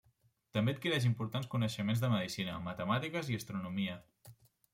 També adquireix importants coneixements de medicina, matemàtiques i astronomia.